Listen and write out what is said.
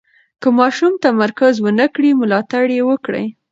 که ماشوم تمرکز ونه کړي، ملاتړ یې وکړئ.